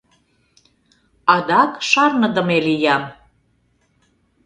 Адак шарныдыме лиям.